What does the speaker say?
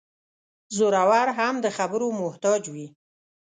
زورور هم د خبرو محتاج وي.